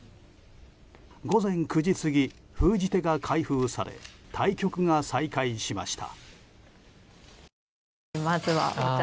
午前９時過ぎ、封じ手が開封され対局が再開しました。